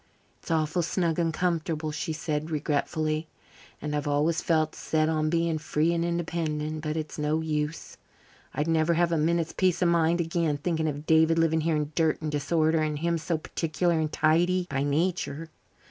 "It's awful snug and comfortable," she said regretfully, "and I've always felt set on being free and independent. But it's no use. I'd never have a minute's peace of mind again, thinking of David living here in dirt and disorder, and him so particular and tidy by nature.